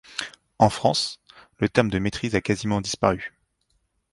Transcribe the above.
En France, le terme de maîtrise a quasiment disparu.